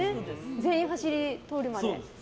全員、走り通るまで。